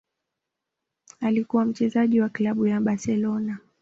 Alikuwa mchezaji wa klabu ya Barcelona